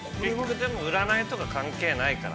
◆でも僕、占いとか関係ないから。